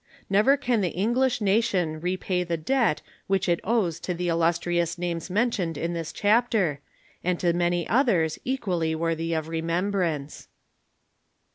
Never can the English nation repay the debt which it owes to the illustrious names mentioned in this chapter, and to many others equally worthy of remembrance.